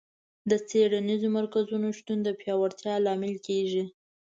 د څېړنیزو مرکزونو شتون د پیاوړتیا لامل کیږي.